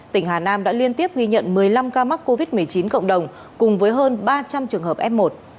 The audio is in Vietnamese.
tỉnh hà nam đã liên tiếp ghi nhận một mươi năm ca mắc covid một mươi chín cộng đồng cùng với hơn ba trăm linh trường hợp f một